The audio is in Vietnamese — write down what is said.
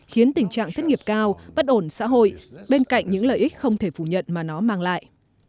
khiến tình trạng thất nghiệp cao bất ổn xã hội bên cạnh những lợi ích không thể phủ nhận mà nó mang lại